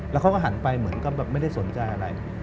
แล้วเขาก็หันไปเหมือนกับแบบไม่ได้สนใจอะไร